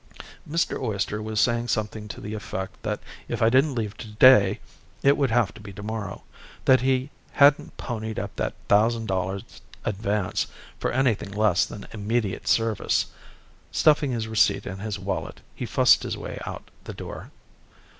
Mr. Oyster was saying something to the effect that if I didn't leave today, it would have to be tomorrow, that he hadn't ponied up that thousand dollars advance for anything less than immediate service. Stuffing his receipt in his wallet, he fussed his way out the door.